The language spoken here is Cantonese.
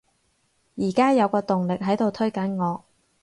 而家有個動力喺度推緊我